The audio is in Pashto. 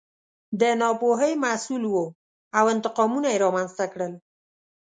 د ناپوهۍ محصول و او انتقامونه یې رامنځته کړل.